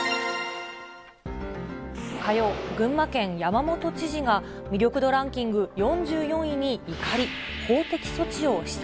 火曜、群馬県、山本知事が魅力度ランキング４４位に怒り。